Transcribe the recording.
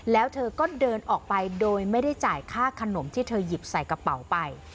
แล้วเธอก็เดินออกไปโดยไม่ได้จ่ายค่าขนมที่เธอหยิบใส่กระเป๋าไป